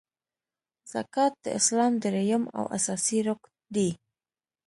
زکات د اسلام دریم او اساسې رکن دی .